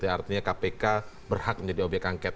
artinya kpk berhak menjadi obyek angket